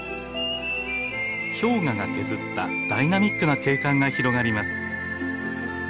氷河が削ったダイナミックな景観が広がります。